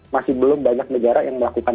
masih belum banyak negara yang melakukan